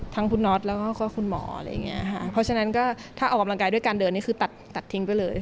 ทั้งคุณน็อตแล้วก็คุณหมอเพราะฉะนั้นก็ถ้าออกกำลังกายด้วยการเดินคือตัดทิ้งไปเลย